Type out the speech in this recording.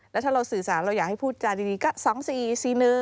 แล้วถ้าเราสื่อสารเราอยากให้พูดจาดีก็๒๔๔๑